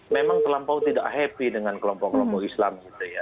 memang terlampau tidak happy dengan kelompok kelompok islam